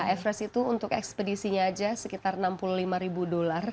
everest itu untuk ekspedisinya aja sekitar enam puluh lima ribu dolar